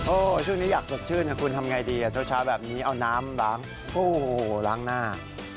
ช่วงนี้อยากสดชื่นนะคุณทำไงดีเช้าแบบนี้เอาน้ำล้างโอ้โหล้างหน้า